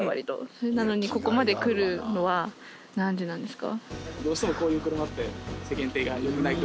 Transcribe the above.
それなのにここまで来るのは何でなんですか？